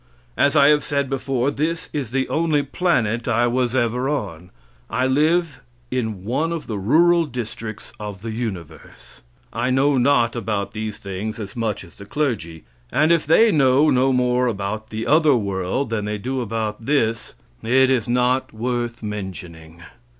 As I have said before, this is the only planet I was ever on. I live in one of the rural districts of the universe. I know not about these things as much as the clergy. And if they know no more about the other world than they do about this, it is not worth mentioning.